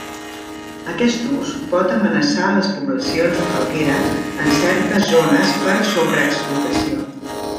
Aquest ús pot amenaçar les poblacions de falguera en certes zones per sobreexplotació.